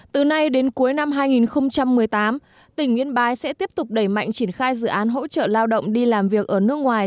từ nay đến cuối năm hai nghìn một mươi tám tỉnh yên bái sẽ tiếp tục đẩy mạnh triển khai dự án hỗ trợ lao động đi làm việc ở nước ngoài